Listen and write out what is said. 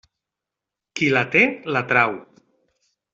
Qui la té, la trau.